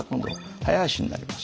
早足になります。